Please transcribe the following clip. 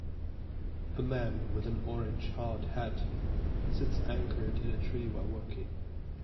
A man with an orange hard hat sits anchored in a tree while working.